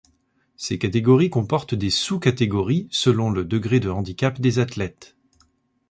Ces catégories comportent des sous-catégories selon le degré de handicap des athlètes.